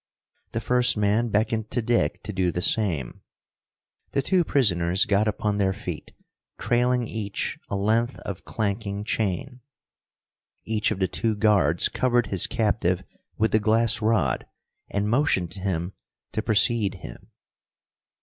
The first man beckoned to Dick to do the same. The two prisoners got upon their feet, trailing each a length of clanking chain. Each of the two guards covered his captive with the glass rod and motioned to him to precede him.